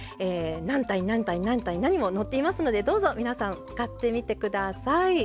何：何：何：何も載っていますのでどうぞ皆さん使ってみて下さい。